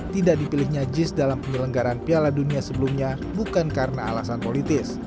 tidak dipilihnya jis dalam penyelenggaran piala dunia sebelumnya bukan karena alasan politis